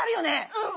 うん。